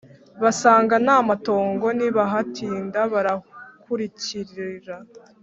basanga namatongo ntibahatinda barakurikira